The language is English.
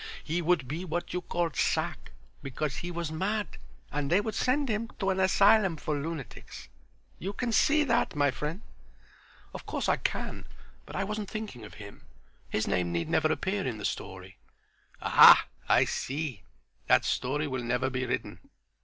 He would be what you called sack because he was mad, and they would send him to an asylum for lunatics. You can see that, my friend." "Of course I can, but I wasn't thinking of him. His name need never appear in the story." "Ah! I see. That story will never be written.